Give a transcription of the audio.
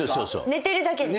寝てるだけです。